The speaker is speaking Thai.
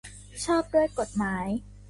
ชอบด้วยกฎหมาย